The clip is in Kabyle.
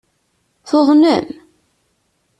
Tuḍnem?